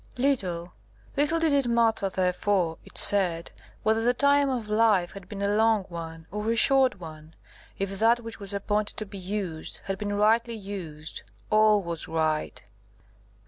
Little, little did it matter, therefore, (it said,) whether the time of life had been a long one or a short one, if that which was appointed to be used, had been rightly used, all was right.